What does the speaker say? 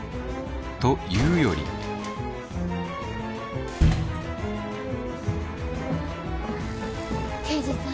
と言うより刑事さん。